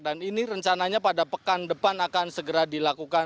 dan ini rencananya pada pekan depan akan segera dilakukan